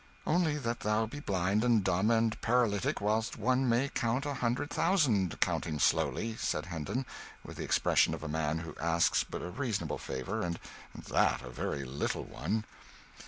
"Only that thou be blind and dumb and paralytic whilst one may count a hundred thousand counting slowly," said Hendon, with the expression of a man who asks but a reasonable favour, and that a very little one.